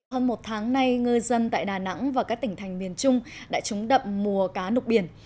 hơn một tháng nay ngư dân tại đà nẵng và các tỉnh thành miền trung đã trúng đậm mùa cá nục biển